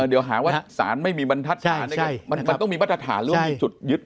เดี๋ยวหาว่าศาลไม่มีบรรทัดฐานมันต้องมีบรรทัดฐานเรื่องจุดยึด